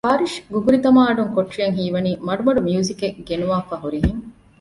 ފާރިޝް ގުގުރިދަމާއަޑުން ކޮޓަރިއަށް ހީވަނީ މަޑުމަޑު މިއުޒިކެއް ގެނުވާފައި ހުރިހެން